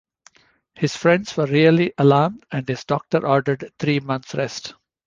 His friends were really alarmed, and his doctor ordered three months rest.